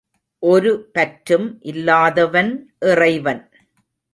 ஒரு பற்றும் இல்லாதவன் இறைவன்.